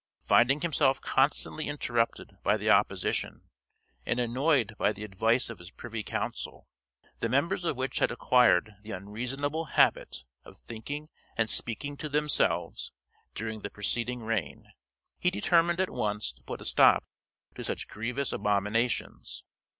Finding himself constantly interrupted by the opposition, and annoyed by the advice of his privy council, the members of which had acquired the unreasonable habit of thinking and speaking to themselves during the preceding reign, he determined at once to put a stop to such grievous abominations.